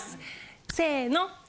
せの。